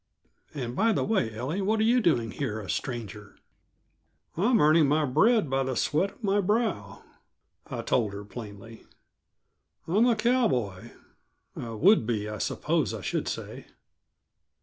And, by the way, Ellie, what are you doing here a stranger?" "I'm earning my bread by the sweat of my brow," I told her plainly. "I'm a cowboy a would be, I suppose I should say."